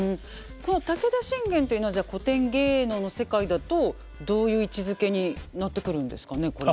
この武田信玄というのはじゃあ古典芸能の世界だとどういう位置づけになってくるんですかねこれは。